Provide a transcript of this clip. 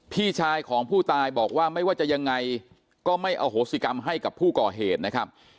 พี่ชายของผู้ตายบอกว่าไม่ว่าจะยังไงก็ไม่อโหสิกรรมให้กับผู้ก่อเหตุนะครับ